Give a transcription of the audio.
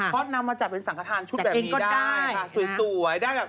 เค้านำมาจากเป็นสังคทานชุดแบบนี้ได้ค่ะสวยจากเองก็ได้